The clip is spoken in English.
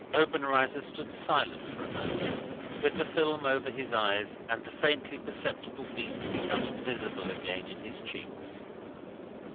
Obenreizer stood silent for a moment, with the film over his eyes, and the faintly perceptible beat becoming visible again in his cheeks.